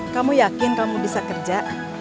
kamu yakin kamu bisa kerja